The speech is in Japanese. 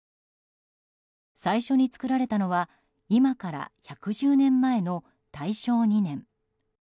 最初に作られたのは今から１１０年前の大正２年。